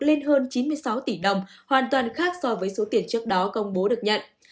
lên hơn chín mươi sáu tỷ đồng hoàn toàn khác so với số tiền trước đó công bố được nhận